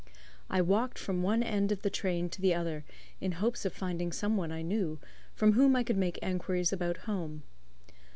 I walked from one end of the train to the other in hopes of finding some one I knew, from whom I could make enquiries about home.